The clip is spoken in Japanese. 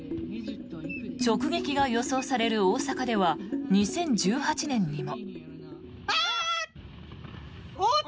直撃が予想される大阪では２０１８年にも。